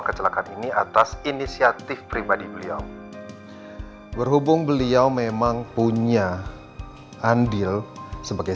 kecelakaan ini atas inisiatif pribadi beliau berhubung beliau memang punya andil sebagai